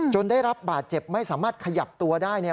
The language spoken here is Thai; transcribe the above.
ได้รับบาดเจ็บไม่สามารถขยับตัวได้เนี่ย